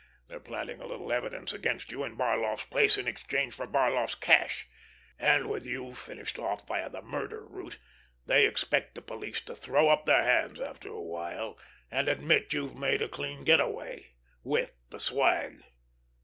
They're planting a little evidence against you in Barloff's place in exchange for Barloff's cash, and with you finished off via the murder route, they expect the police to throw up their hands after a while and admit you've made a clean get away—with the swag."